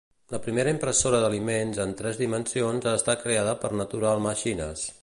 La primera impressora d'aliments en tres dimensions ha estat creada per Natural Machines.